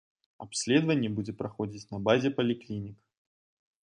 Абследаванне будзе праходзіць на базе паліклінік.